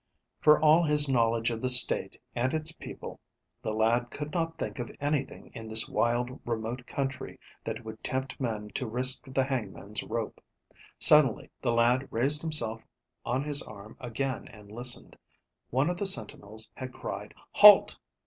For all his knowledge of the state and its people, the lad could not think of anything in this wild, remote country that would tempt men to risk the hangman's rope. Suddenly the lad raised himself on his arm again and listened. One of the sentinels had cried "Halt!"